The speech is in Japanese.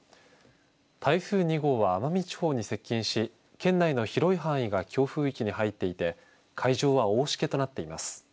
台風２号は奄美地方に接近し県内の広い範囲が強風域に入っていて海上は大しけとなっています。